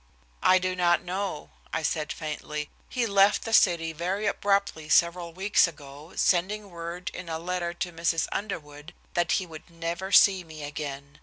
"I do not know," I said faintly. "He left the city very abruptly several weeks ago, sending word in a letter to Mrs. Underwood that he would never see me again.